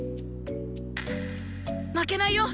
負けないよ！